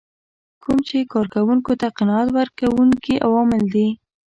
کوم چې کار کوونکو ته قناعت ورکوونکي عوامل دي.